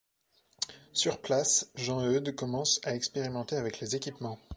Sur place, Jean-Eudes commence à expérimenter avec les équipements.